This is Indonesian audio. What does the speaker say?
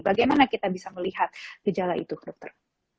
bagaimana kita bisa melihat gejala itu dokter